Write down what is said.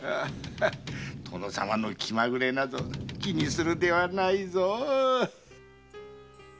殿様の気まぐれなど気にするではないぞ。